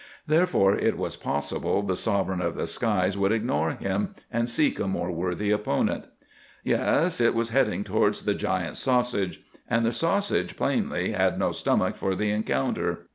Therefore it was possible the sovereign of the skies would ignore him and seek a more worthy opponent. Yes, it was heading towards the giant sausage. And the sausage, plainly, had no stomach for the encounter.